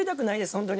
本当に。